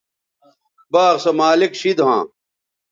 باغ سو مالک شید ھواں